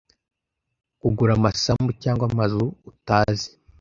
kugura amasambu cyangwa amazu utazi